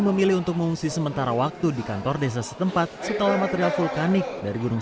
memilih untuk mengungsi sementara waktu di kantor desa setempat setelah material vulkanik dari gunung